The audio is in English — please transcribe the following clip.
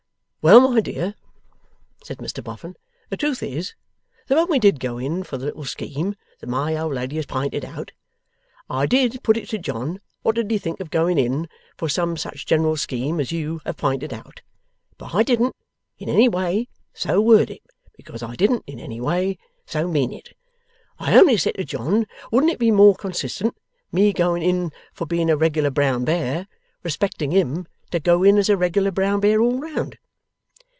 'Well, my dear,' said Mr Boffin, 'the truth is, that when we did go in for the little scheme that my old lady has pinted out, I did put it to John, what did he think of going in for some such general scheme as YOU have pinted out? But I didn't in any way so word it, because I didn't in any way so mean it. I only said to John, wouldn't it be more consistent, me going in for being a reg'lar brown bear respecting him, to go in as a reg'lar brown bear all round?